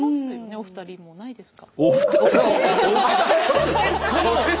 お二人もないですか？